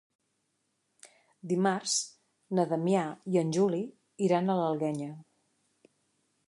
Dimarts na Damià i en Juli iran a l'Alguenya.